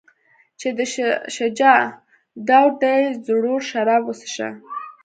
چې د شاه شجاع دور دی زړور شراب وڅښه.